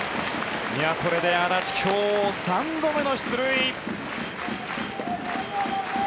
これで安達、今日３度目の出塁。